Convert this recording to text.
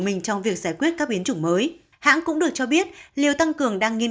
mình trong việc giải quyết các biến chủng mới hãng cũng được cho biết liệu tăng cường đang nghiên